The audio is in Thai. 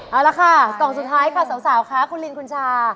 เอาละค่ะกล่องสุดท้ายค่ะสาวคะคุณลินคุณชา